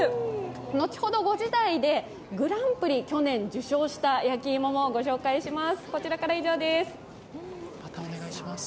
後ほど５時台でグランプリ去年受賞した焼き芋もご紹介します。